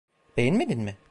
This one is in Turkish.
Beğenmedin mi?